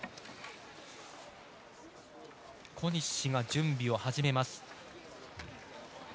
小西が準備を始めます。